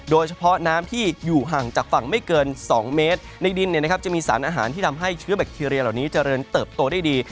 โดยเฉพาะน้ำที่อยู่ห่างจากฝั่งไม่เกิน๒เมตรในดินจะมีสารอาหารที่ทำให้เชื้อแบคทีเรียเหล่านี้เจริญเติบโตได้ดี